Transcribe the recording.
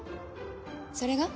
それが？